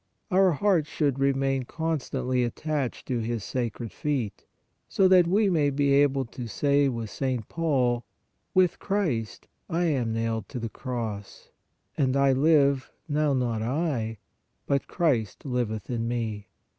Our hearts should remain constantly attached to His sacred feet, so that we may be able to say with St. Paul :" With Christ I am nailed to the cross ; and I live, now not I, but Christ liveth in me.